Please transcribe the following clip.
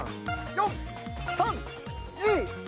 ４３２１。